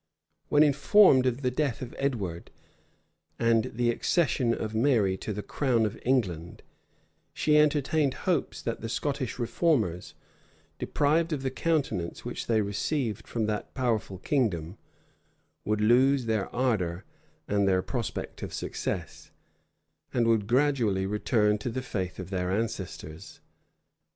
When informed of the death of Edward, and the accession of Mary to the crown of England, she entertained hopes that the Scottish reformers, deprived of the countenance which they received from that powerful kingdom, would lose their ardor with their prospect of success, and would gradually return to the faith of their ancestors.